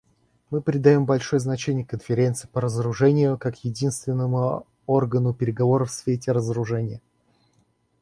Мы придаем большое значение Конференции по разоружению как единственному органу переговоров в сфере разоружения.